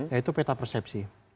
yaitu peta persepsi